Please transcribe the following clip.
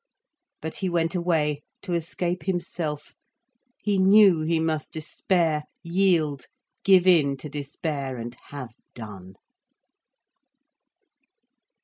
But he went away, to escape himself. He knew he must despair, yield, give in to despair, and have done.